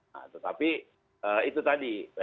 nah tetapi itu tadi